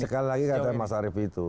sekali lagi kata mas arief itu